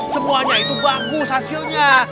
semuanya itu bagus hasilnya